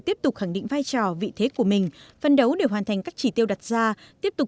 tiếp tục khẳng định vai trò vị thế của mình phân đấu để hoàn thành các chỉ tiêu đặt ra tiếp tục